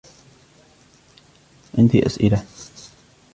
عندي أسئلة.